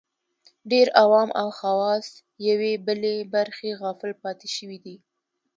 ډېر عوام او خواص یوې بلې برخې غافل پاتې شوي دي